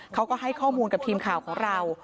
เขาก็ให้ข้อมูลกับทีมข่าวของเรา